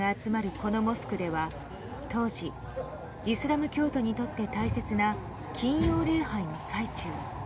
このモスクでは当時、イスラム教徒にとって大切な金曜礼拝の最中。